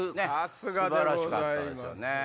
素晴らしかったですよね。